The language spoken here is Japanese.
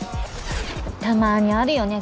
たまにあるよね